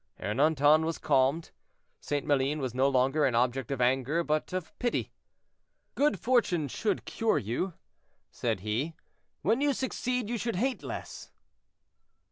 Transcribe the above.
'" Ernanton was calmed; St. Maline was no longer an object of anger but of pity. "Good fortune should cure you," said he; "when you succeed, you should hate less."